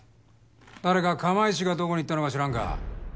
誰か釜石がどこに行ったのか知らんか？